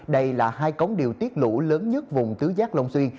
đây là hai cống điều tiết lũ lớn nhất vùng tứ giác long xuyên